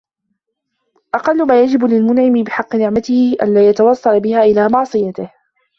أَقَلُّ مَا يَجِبُ لِلْمُنْعِمِ بِحَقِّ نِعْمَتِهِ أَنْ لَا يَتَوَصَّلَ بِهَا إلَى مَعْصِيَتِهِ